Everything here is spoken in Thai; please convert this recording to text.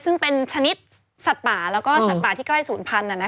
ซึ่งเป็นชนิดสัตว์ป่าแล้วก็สัตว์ป่าที่ใกล้ศูนย์พันธุ์